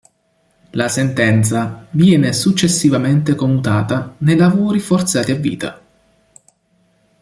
La sentenza viene successivamente commutata nei lavori forzati a vita.